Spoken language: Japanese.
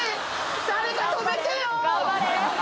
誰か止めてよ！